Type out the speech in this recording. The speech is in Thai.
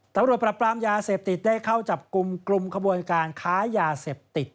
ตำรวจปรับปรามยาเสพติดได้เข้าจับกลุ่มกลุ่มขบวนการค้ายาเสพติด